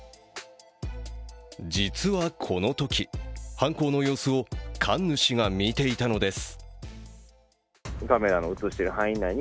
実は、このとき犯行の様子を神主が見ていたのです。